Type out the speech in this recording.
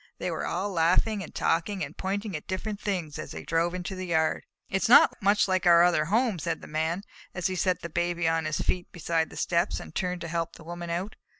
They were all laughing and talking and pointing at different things as they drove into the yard. "It is not much like our other home," said the Man, as he set the Baby on his feet beside the steps, and turned to help the Woman out.